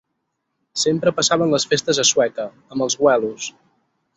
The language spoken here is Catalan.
Sempre passaven les festes a Sueca, amb els güelos.